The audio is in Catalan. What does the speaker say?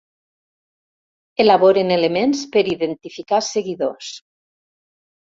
Elaboren elements per identificar seguidors.